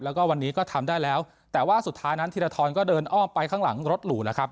แล้วก็วันนี้ก็ทำได้แล้วแต่ว่าสุดท้ายนั้นธีรทรก็เดินอ้อมไปข้างหลังรถหรูแล้วครับ